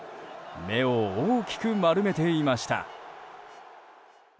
目を大きく丸めていました。